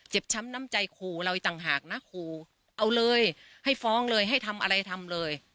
ช้ำน้ำใจขู่เราอีกต่างหากนะขู่เอาเลยให้ฟ้องเลยให้ทำอะไรทำเลย